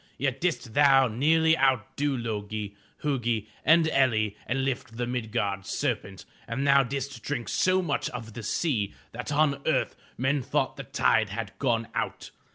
Yet didst thou nearly outdo Lo'gi, Hu'gi and El'li and lift the Mid'gard serpent, and thou didst drink so much of the sea that on earth men thought the tide had gone out.